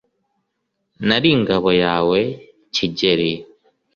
Nari ingabo yawe Kigeli,